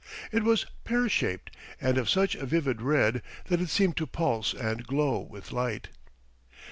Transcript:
It was pear shaped, and of such a vivid red that it seemed to pulse and glow with light.